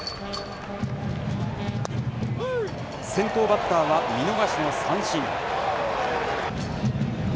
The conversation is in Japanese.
先頭バッターは見逃しの三振。